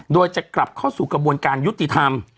โดยจะกลับเข้าสู่กระบวนการยุติธรรม